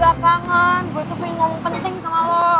gue tuh gak kangen gue tuh pengen ngomong penting sama lo